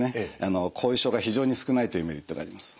後遺症が非常に少ないというメリットがあります。